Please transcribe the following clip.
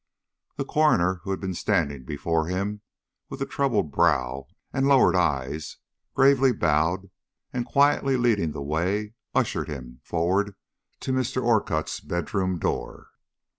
The coroner, who had been standing before him with a troubled brow and lowered eyes, gravely bowed, and quietly leading the way, ushered him forward to Mr. Orcutt's bedroom door.